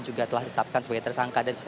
juga telah ditetapkan sebagai tersangka